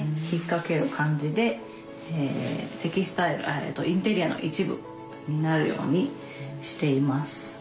引っ掛ける感じでテキスタイルインテリアの一部になるようにしています。